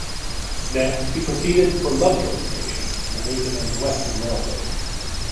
Next, he proceeded for Lovejoy's Station on the Macon and Western Railroad.